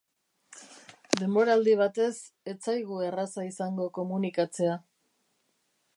Denboraldi batez, ez zaigu erraza izango komunikatzea.